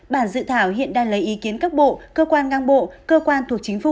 bản dự thảo hiện đang lấy ý kiến các bộ cơ quan ngang bộ cơ quan thuộc chính phủ